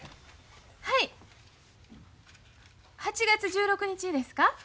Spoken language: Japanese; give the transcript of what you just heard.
８月１６日ですか？